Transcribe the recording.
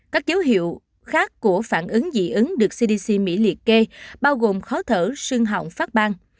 các dấu hiệu khác của phản ứng dị ứng được cdc mỹ liệt kê bao gồm khó thở sương hỏng phát ban